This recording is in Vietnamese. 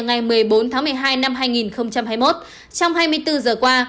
ngày một mươi bốn tháng một mươi hai năm hai nghìn hai mươi một trong hai mươi bốn giờ qua